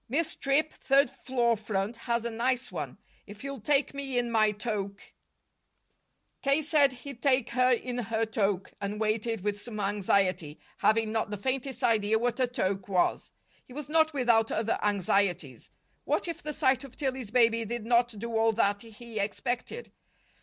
"Miss Tripp, third floor front, has a nice one. If you'll take me in my toque " K. said he'd take her in her toque, and waited with some anxiety, having not the faintest idea what a toque was. He was not without other anxieties. What if the sight of Tillie's baby did not do all that he expected?